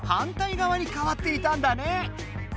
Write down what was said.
がわにかわっていたんだね。